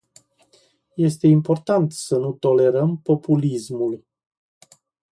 Este important să nu tolerăm populismul.